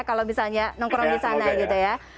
kalau misalnya nongkrong di sana gitu ya